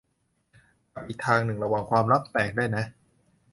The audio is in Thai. กับอีกทางหนึ่งระวังความลับแตกด้วยนะ